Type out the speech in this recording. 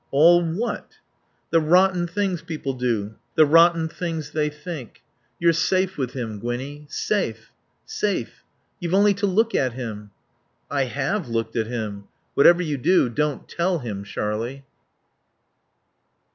"All what?" "The rotten things people do. The rotten things they think. You're safe with him, Gwinnie. Safe. Safe. You've only to look at him." "I have looked at him. Whatever you do, don't tell him, Sharlie."